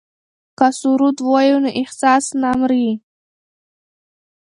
که سرود ووایو نو احساس نه مري.